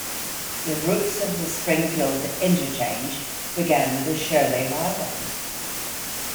The roots of the Springfield Interchange began with the Shirley Highway.